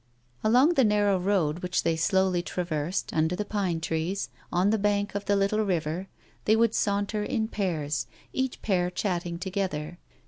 Along the narrow road, which they slowly traversed, under the pine trees, on the bank of the little river, they would saunter in pairs, each pair chatting together.